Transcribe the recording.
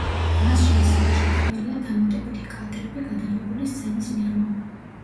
მასში ასევე შეტანილია დამატებითი კადრები, გადაღებული სცენის მიღმა.